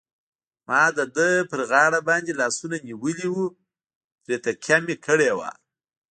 ما د ده پر غاړه باندې لاسونه نیولي وو، پرې تکیه مې کړې وه.